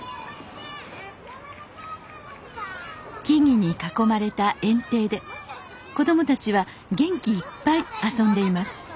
木々に囲まれた園庭で子供たちは元気いっぱい遊んでいます